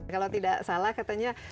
kalau tidak salah katanya